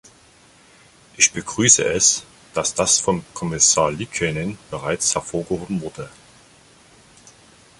Ich begrüße es, dass das von Kommissar Liikanen bereits hervorgehoben wurde.